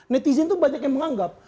netizen itu banyak yang menganggap